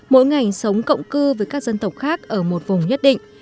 mỗi ngành sống cộng cư với các dân tộc khác ở một vùng nhất định